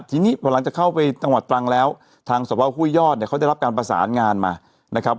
ทีนี้พอหลังจากเข้าไปจังหวัดตรังแล้วทางสวห้วยยอดเนี่ยเขาได้รับการประสานงานมานะครับ